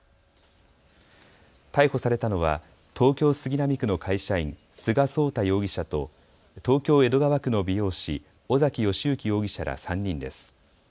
逮捕されたのは東京杉並区の会社員、菅奏太容疑者と東京江戸川区の美容師、尾崎義行容疑者ら３人です。